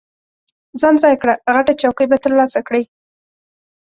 ځان ځای کړه، غټه چوکۍ به ترلاسه کړې.